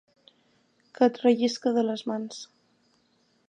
Que et rellisca de les mans.